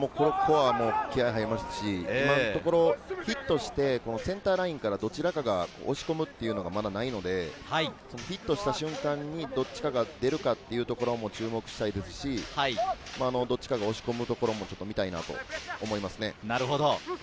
気合いが入りますし、今のところヒットして、センターラインからどちらかが押し込むというのがないので、ヒットした瞬間にどちらかが出るかというのを注目したいですし、どちらかが押し込むところも見たいと思いますね。